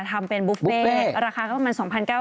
ทำเป็นบุฟเฟ่ราคาก็ประมาณ